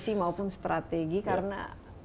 posisi maupun strategi karena